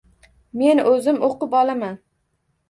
Men o‘zim o‘qib olaman.